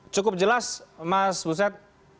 cukup jelas mas buset